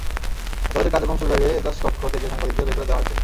আদালতের কার্যক্রম শুরুর আগে এজলাসকক্ষ থেকে সাংবাদিকদের বের করে দেওয়া হয়েছে।